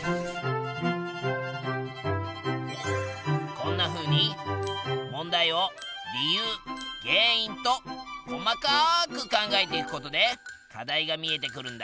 こんなふうに問題を理由原因と細かく考えていくことで課題が見えてくるんだ！